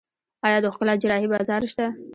آیا د ښکلا جراحي بازار شته؟